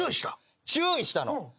注意したの。